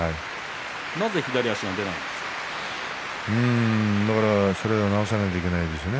なぜ左足が出ないんですか？